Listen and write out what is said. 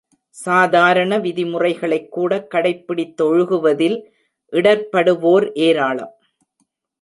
சாதாரண விதிமுறைகளைக்கூட, கடைப் பிடித்தொழுகுவதில் இடர்ப்படுவோர் ஏராளம்.